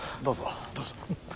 どうぞ。